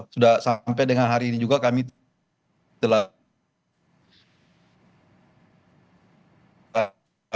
sudah sampai dengan hari ini juga kami telah